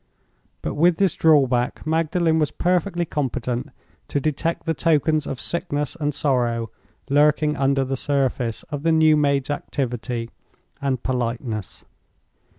But with this drawback, Magdalen was perfectly competent to detect the tokens of sickness and sorrow lurking under the surface of the new maid's activity and politeness.